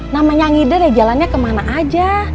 namanya ngider ya jalannya kemana aja